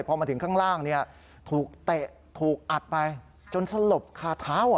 พอมาถึงข้างล่างถูกเตะถูกอัดไปจนสลบคาเท้า